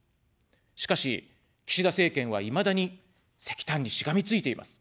しかし、岸田政権はいまだに石炭にしがみついています。